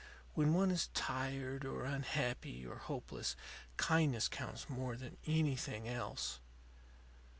When one is tired or unhappy or hopeless, kindness counts more than anything else.